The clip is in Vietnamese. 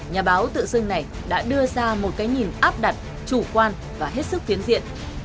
nhà báo tự dưng này đã đưa ra một cái nhìn áp đặt chủ quan và hết sức phiến diện